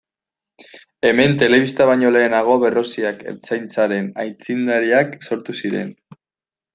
Hemen telebista baino lehenago Berroziak Ertzaintzaren aitzindariak sortu ziren.